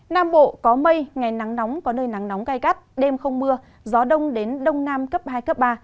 nam bộ có mây ngày nắng nóng có nơi nắng nóng gai gắt đêm không mưa gió đông đến đông nam cấp hai cấp ba